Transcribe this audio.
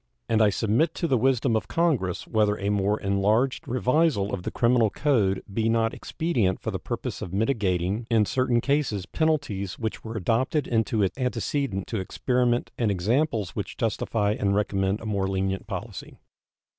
And I submit to the wisdom of Congress whether a more enlarged revisal of the criminal code be not expedient for the purpose of mitigating in certain cases penalties which were adopted into it antecedent to experiment and examples which justify and recommend a more lenient policy.